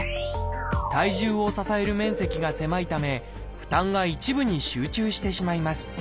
体重を支える面積が狭いため負担が一部に集中してしまいます。